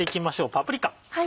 パプリカ。